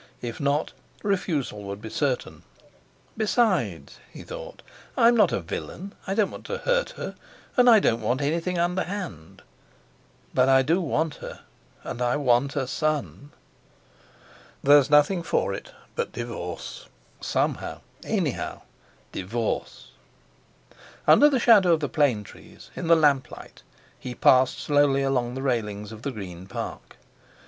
If not, refusal would be certain. Besides, he thought: "I'm not a villain. I don't want to hurt her; and I don't want anything underhand. But I do want her, and I want a son! There's nothing for it but divorce—somehow—anyhow—divorce!" Under the shadow of the plane trees, in the lamplight, he passed slowly along the railings of the Green Park.